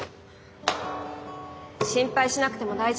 心配しなくても大丈夫ですよ。